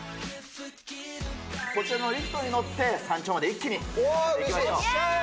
こちらのリフトに乗って、山頂まで一気に行きましょう。